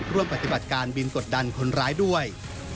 ร่วมปฏิบัติการบินกดดันคนร้ายด้วย